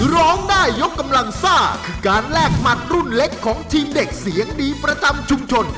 ร้องได้ยกกำลังซ่าคือการแลกหมัดรุ่นเล็กของทีมเด็กเสียงดีประจำชุมชน